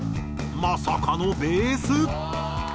まさかのベース。